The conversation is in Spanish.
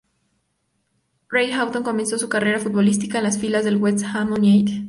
Ray Houghton comenzó su carrera futbolística en las filas del West Ham United.